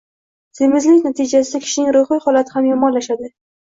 Semizlik natijasida kishining ruhiy holati ham yomonlashadi.